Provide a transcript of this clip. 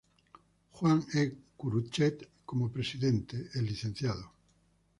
Juan E. Curutchet como Presidente, el Lic.